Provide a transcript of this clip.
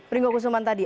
peringgau kusuman tadi